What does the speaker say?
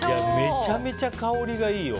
めちゃめちゃ香りがいいよ。